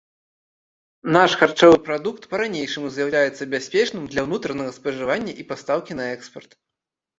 Наш харчовы прадукт па-ранейшаму з'яўляецца бяспечным для ўнутранага спажывання і пастаўкі на экспарт.